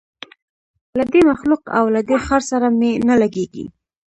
له دې مخلوق او له دې ښار سره مي نه لګیږي